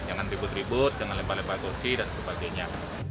jangan ribut ribut jangan lepak lepak kursi dan sebagainya